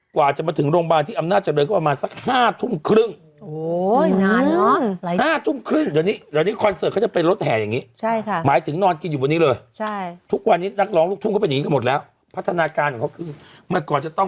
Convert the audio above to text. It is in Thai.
กว่าที่มาถึงร่วงบ้าน